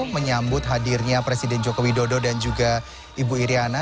menyambut hadirnya presiden jokowi dodo dan juga ibu iryana